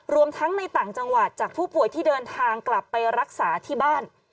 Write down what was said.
รวมทั้งในต่างจังหวัดจากผู้ป่วยที่เดินทางกลับไปรักษาที่บ้าน